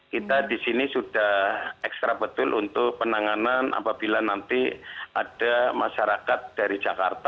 kita di sini sudah ekstra betul untuk penanganan apabila nanti ada masyarakat dari jakarta